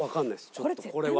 ちょっとこれは。